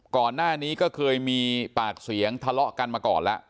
ก่อนหน้านี้ก็เคยมีปากเสียงทะเลาะกันมาก่อนแล้ว